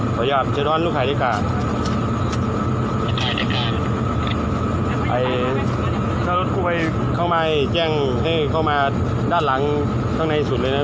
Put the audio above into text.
พระเจ้าอย่างนักอาหารของชนะประวัติธรรมสำหรับสหรัฐและสนบันดาลเมียนชิงชาวมากสวัสดีครับ